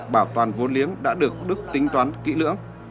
bảo toàn vốn liếng đã được đức tính toán kỹ lưỡng